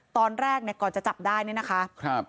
ตอนแรกเนี่ยก่อนจะจับได้เนี่ยนะคะ